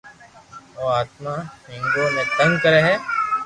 او آتما ھينگون ني تنگ ڪري ھي